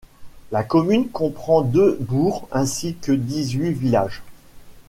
La commune comprend deux bourgs ainsi que dix-huit villages.